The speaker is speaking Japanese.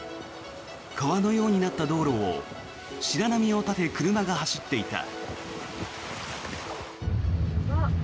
川のようになった道路を白波を立て車が走っていた。